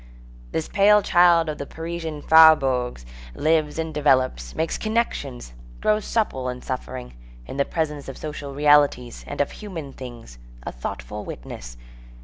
This pale child of the Parisian faubourgs lives and develops, makes connections, "grows supple" in suffering, in the presence of social realities and of human things, a thoughtful witness.